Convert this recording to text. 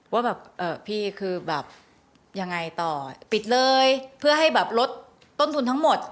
ว่าแบบเอ่อพี่คือแบบยังไงต่อปิดเลยเพื่อให้แบบลดต้นทุนทั้งหมด